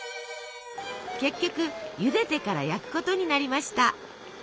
結局ゆでてから焼くことになりました。